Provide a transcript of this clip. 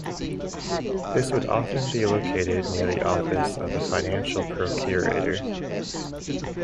This would often be located near the office of the financial procurator.